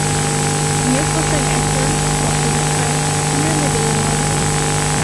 Hiervoor zijn echter, zoals u begrijpt, meer middelen nodig.